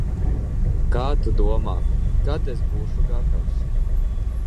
Kā tu domā, kad es būšu gatavs?